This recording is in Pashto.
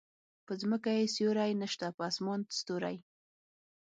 په ځمکه يې سیوری نشته په اسمان ستوری